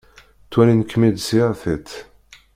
Ttwalin-kem-id s yir tiṭ.